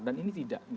dan ini tidak